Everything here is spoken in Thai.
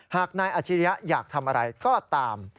หากนายอาชิริยะอยากทำอะไรก็ตาม